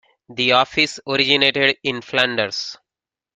The office originated in Flanders.